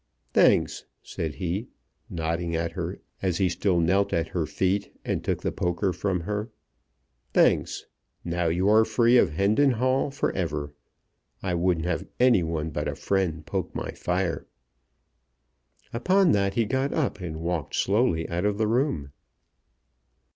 "Thanks," said he, nodding at her as he still knelt at her feet and took the poker from her; "thanks. Now you are free of Hendon Hall for ever. I wouldn't have any one but a friend poke my fire." Upon that he got up and walked slowly out of the room.